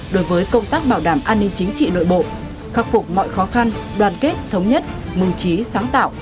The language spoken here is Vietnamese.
đối với công tác bảo đảm an ninh chính trị nội bộ khắc phục mọi khó khăn đoàn kết thống nhất mừng trí sáng tạo